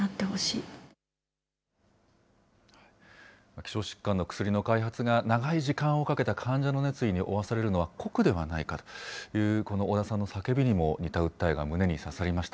希少疾患の薬の開発が長い時間をかけた患者の熱意におわされるのは酷ではないかという、この織田さんの叫びにも似た訴えが胸に刺さりました。